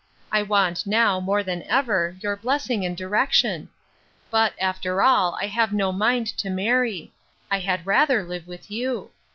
I want, now, more than ever, your blessing and direction. But, after all, I have no mind to marry; I had rather live with you.